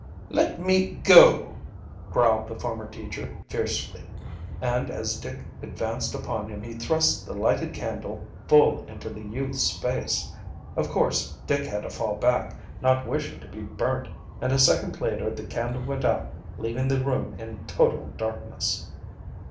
"Let me go!" growled the former teacher fiercely, and as Dick advanced upon him he thrust the lighted candle full into the youth's face. Of course Dick had to fall back, not wishing to be burnt, and a second later the candle went out leaving the room in total darkness.